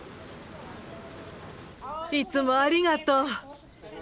いつもありがとう。